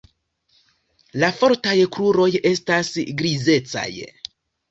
La fortaj kruroj estas grizecaj.